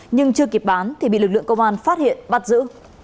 nhưng chưa kịp bán thì bị lực lượng công an phát hiện bắt giữ